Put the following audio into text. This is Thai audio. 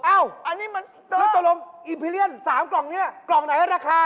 อ้าวแล้วตรงอิมพิเรียนสามกล่องนี้กล่องไหนราคา